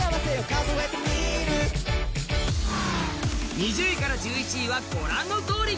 ２０位から１１位はご覧のとおり。